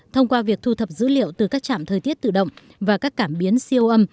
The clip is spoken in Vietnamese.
thông qua việc thu thập dữ liệu từ các trạm thời tiết tự động và các cảm biến siêu âm